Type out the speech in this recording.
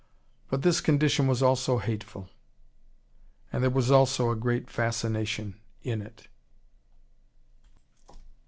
But this condition was also hateful. And there was also a great fascination in it.